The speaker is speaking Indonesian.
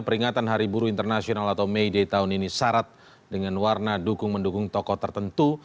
peringatan hari buru internasional atau may day tahun ini syarat dengan warna dukung mendukung tokoh tertentu